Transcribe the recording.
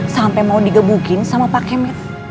sampai mau digebukin sama pak kemen